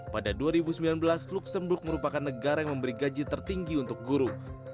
pada dua ribu sembilan belas luxembuk merupakan negara yang memberi gaji tertinggi untuk guru